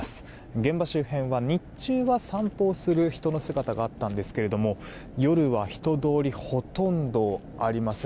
現場周辺は日中は散歩をする人の姿があったんですが夜は人通りほとんどありません。